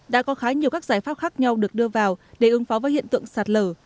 đã có khá nhiều các giải pháp khác nhau được đưa vào để ứng phó với hiện tượng sạt lở